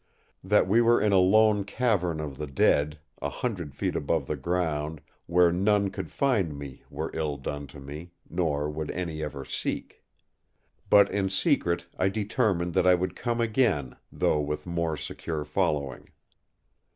That we were in a lone cavern of the dead, an hundred feet above the ground, where none could find me were ill done to me, nor would any ever seek. But in secret I determined that I would come again, though with more secure following.